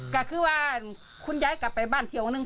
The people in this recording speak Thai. ก็คือว่าคุณย้ายกลับไปบ้านเที่ยวนึง